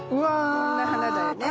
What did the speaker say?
こんな花だよね。